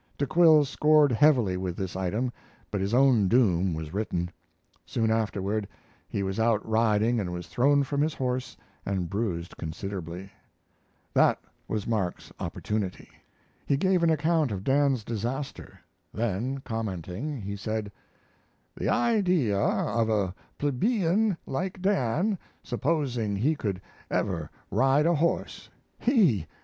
De Quille scored heavily with this item but his own doom was written. Soon afterward he was out riding and was thrown from his horse and bruised considerably. This was Mark's opportunity. He gave an account of Dan's disaster; then, commenting, he said: The idea of a plebeian like Dan supposing he could ever ride a horse! He!